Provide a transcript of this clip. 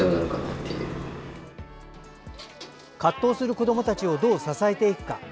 葛藤する子どもたちをどう支えていくか。